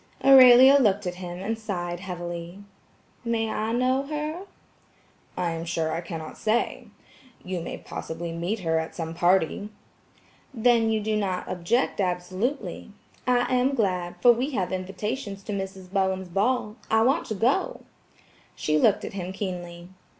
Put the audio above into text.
Aurelia looked at him and sighed heavily. "May I know her?" "I am sure, I cannot say. You may possibly meet her at some party." "Then you do not object absolutely. I am glad, for we have invitations to Mrs. Bowen's ball. I want to go." She looked at him keenly.